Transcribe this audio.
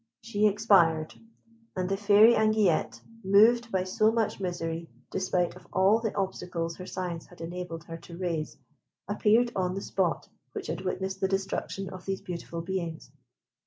She expired, and the Fairy Anguillette, moved by so much misery despite of all the obstacles her science had enabled her to raise, appeared on the spot which had witnessed the destruction of these beautiful beings.